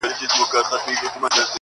دا حسن یا جمال په هر فرد کښې